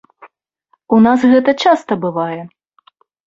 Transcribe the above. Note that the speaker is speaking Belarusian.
У нас гэта часта бывае.